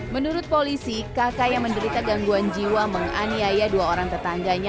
menurut polisi kakak yang menderita gangguan jiwa menganiaya dua orang tetangganya